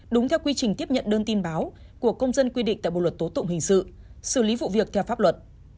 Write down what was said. đúng theo quy trình tiếp nhận đơn tin báo của công dân quy định tại bộ luật tố tụng hình sự xử lý vụ việc theo pháp luật